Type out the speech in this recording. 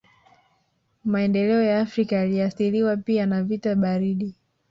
Maendeleo ya Afrika yaliathiriwa pia na vita baridi